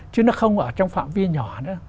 chứ nó không ở trong phạm vi nhỏ nữa